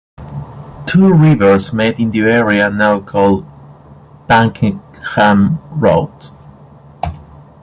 Two rivers met in the area now called Pakenham Road.